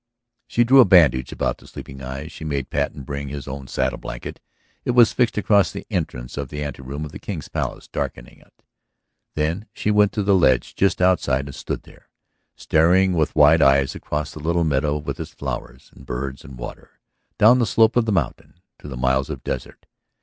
She drew a bandage about the sleeping eyes. She made Patten bring his own saddle blanket; it was fixed across the entrance of the anteroom of the King's Palace, darkening it. Then she went to the ledge just outside and stood there, staring with wide eyes across the little meadow with its flowers and birds and water, down the slope of the mountain, to the miles of desert.